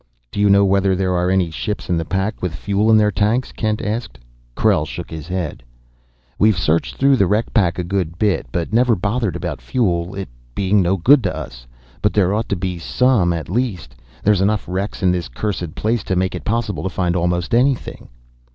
"Do you know whether there are any ships in the pack with fuel in their tanks?" Kent asked. Krell shook his head. "We've searched through the wreck pack a good bit, but never bothered about fuel, it being no good to us. But there ought to be some, at least: there's enough wrecks in this cursed place to make it possible to find almost anything.